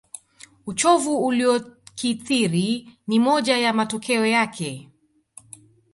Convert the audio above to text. Uchovu uliokithiri ni moja ya matokeo yake